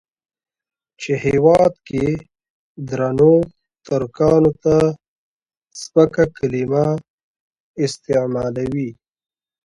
چې هېواد کې درنو ترکانو ته سپکه کليمه استعمالوي.